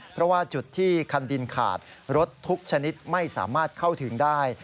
เพราะว่าจุดที่คันดินขาดรถทุกชนิดไม่สามารถเข้าถึงได้